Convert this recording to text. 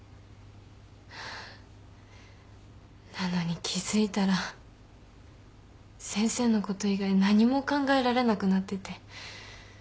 なのに気付いたら先生のこと以外何も考えられなくなってて。